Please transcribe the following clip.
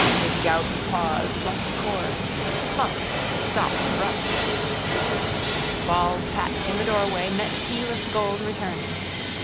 His gouty paws plumped chords. Plumped, stopped abrupt. Bald Pat in the doorway met tealess gold returning.